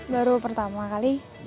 baru pertama kali